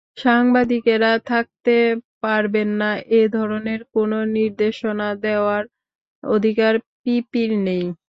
সাংবাদিকেরা থাকতে পারবেন না—এ ধরনের কোনো নির্দেশনা দেওয়ার অধিকার পিপির নেই।